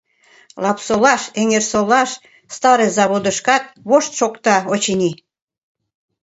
Лапсолаш, Эҥерсолаш, Старый Заводышкат вошт шокта, очыни.